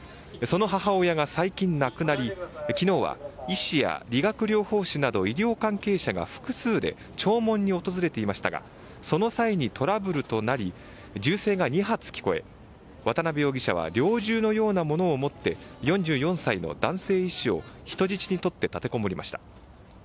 その母親が最近亡くなり昨日は医師や理学療法士など医療関係者が複数で弔問に訪れていましたがその際にトラブルとなり銃声が２発聞こえ渡辺容疑者は猟銃のようなものを持って４４歳の男性医師を人質にとって立てこもりました。